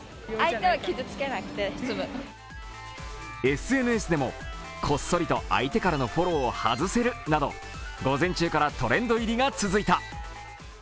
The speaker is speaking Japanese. ＳＮＳでもこっそりと相手からのフォローを外せるなど、午前中からトレンド入りが続いた。